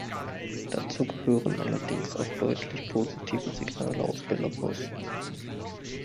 Dazu gehören allerdings auch deutlich positive Signale aus Belarus.